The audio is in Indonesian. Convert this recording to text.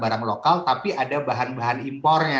barang lokal tapi ada bahan bahan impornya